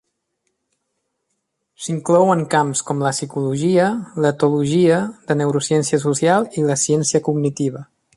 S"inclouen camps com la psicologia, l"etologia de neurociència social i la ciència cognitiva.